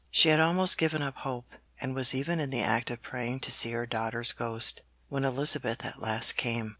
She had almost given up hope, and was even in the act of praying to see her daughter's ghost, when Elizabeth at last came.